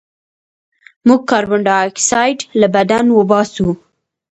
موږ کاربن ډای اکسایډ له بدن وباسو